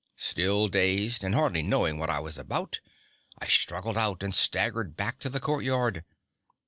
Still dazed and hardly knowing what I was about, I struggled out and staggered back to the courtyard.